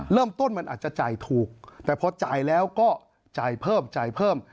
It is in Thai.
เริ่มต้นมันอาจจะจ่ายถูกแต่พอจ่ายแล้วก็จ่ายเพิ่มจ่ายเพิ่ม